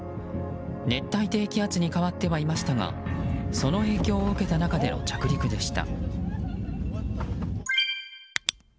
熱帯低気圧に変わってはいましたがその影響を受けた中での着陸でした。